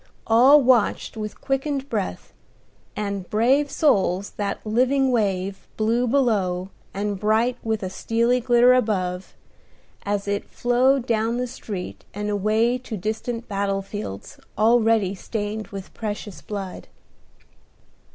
All watched with quickened breath and brave souls that living wave, blue below, and bright with a steely glitter above, as it flowed down the street and away to distant battle fields already stained with precious blood.